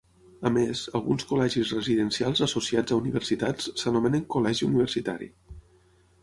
A més, alguns col·legis residencials associats a universitats s'anomenen "Col·legi Universitari".